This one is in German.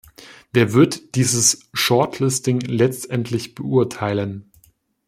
Wer wird dieses shortlisting letztendlich beurteilen?